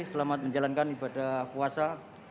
selamat menjalankan ibadah puasa